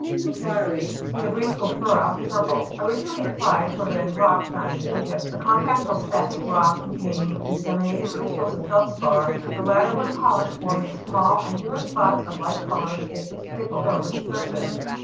PORPHYRY fr. gr. porphura, purple. Originally applied to a red rock found in Egypt. A compact feld spalhic rock containing disseminat ed crystals of feldspar, the latter when polished, forming small angu lar spots, of a light colour, thickly sprinkled over the surface.